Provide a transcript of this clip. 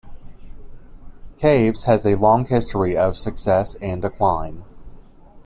Caves has a long history of success and decline.